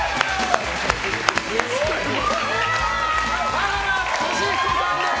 田原俊彦さんです！